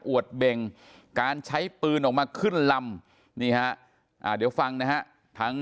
วดเบ่งการใช้ปืนออกมาขึ้นลำนี่ฮะเดี๋ยวฟังนะฮะทั้ง